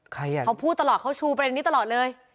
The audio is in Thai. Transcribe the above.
ใครอ่ะเค้าพูดตลอดเค้าชูไปในนี้ตลอดเลย